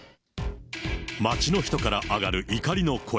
街の人から上がる怒りの声。